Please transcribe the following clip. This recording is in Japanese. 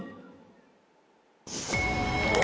お。